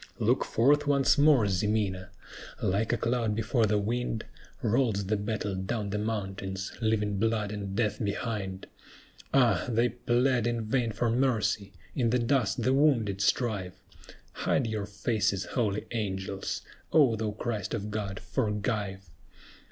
Look forth once more, Ximena! "Like a cloud before the wind Rolls the battle down the mountains, leaving blood and death behind; Ah! they plead in vain for mercy; in the dust the wounded strive; Hide your faces, holy angels! O thou Christ of God, forgive!"